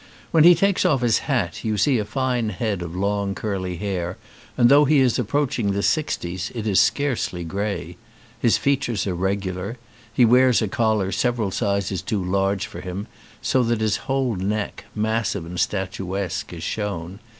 When he takes off his hat you see a fine head of long curly hair, and though he is approaching the sixties it is scarcely grey. His features are regular. He wears a collar several sizes too large for him so that his whole neck, massive and statuesque, is shown.